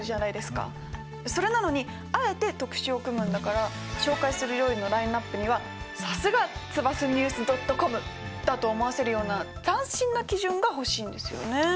それなのにあえて特集を組むんだから紹介する料理のラインナップにはさすが「ＴＳＵＢＡＳＡ−ＮＥＷＳ．ｃｏｍ」だと思わせるような斬新な基準が欲しいんですよね。